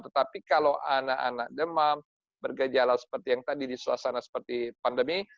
tetapi kalau anak anak demam bergejala seperti yang tadi di suasana seperti pandemi